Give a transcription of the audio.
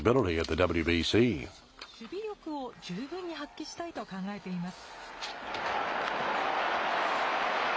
ＷＢＣでもその守備力を十分に発揮したいと考えています。